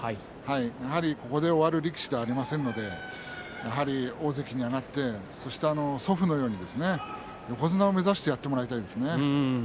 やはりここで終わる力士ではありませんのでやはり大関に上がって、そして祖父のように横綱を目指してやってもらいたいですね。